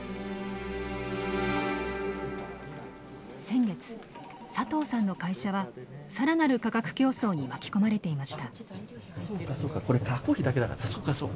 先月佐藤さんの会社は更なる価格競争に巻き込まれていました。